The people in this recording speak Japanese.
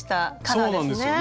そうなんですよね。